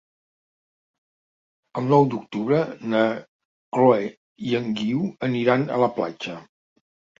El nou d'octubre na Chloé i en Guiu aniran a la platja.